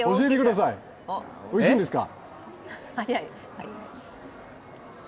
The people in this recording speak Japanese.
おいしいんですか？